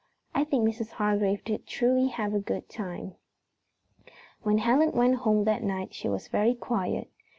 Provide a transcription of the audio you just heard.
I think Mrs. Hargrave did truly have a good time." When Helen went home that night she was very quiet.